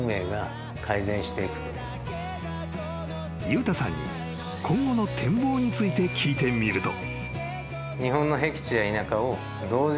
［悠太さんに今後の展望について聞いてみると］